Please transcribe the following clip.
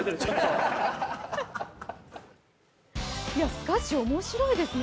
スカッシュ、面白いですね。